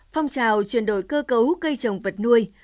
phong trào chuyển đổi cơ cấu cây trồng vật nuôi